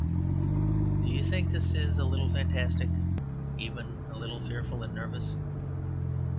Do you think this is a little fantastic even a little fearful and nervous?